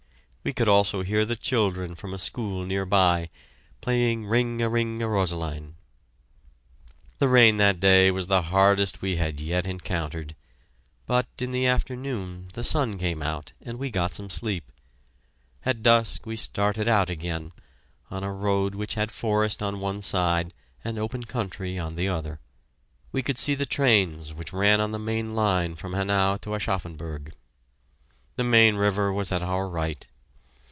We could also hear the children from a school near by, playing "Ring a ring a röselein." The rain that day was the hardest we had yet encountered, but in the afternoon the sun came out and we got some sleep. At dusk we started out again, on a road which had forest on one side and open country on the other. We could see the trains which ran on the main line from Hanau to Aschaffenburg. The Main River was at our right.